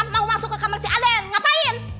mau masuk ke kamar si aden ngapain